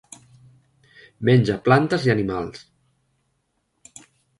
Menja plantes i animals.